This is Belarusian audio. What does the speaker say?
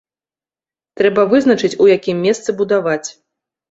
Трэба вызначыць, у якім месцы будаваць.